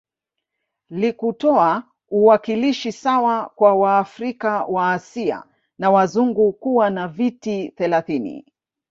Likutoa uwakilishi sawa kwa waafrika waasia na wazungu kuwa na viti thelathini